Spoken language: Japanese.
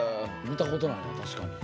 見たことないな確かに。